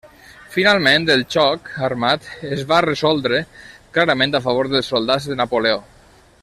Finalment, el xoc armat es va resoldre clarament a favor dels soldats de Napoleó.